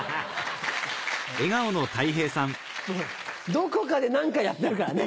どこかで何かやってるからね。